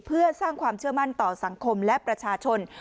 เพื่อสร้างความเชื่อมั่นต่อสังคมและประชาชน